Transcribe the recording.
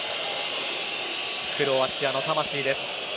クロアチアの魂です。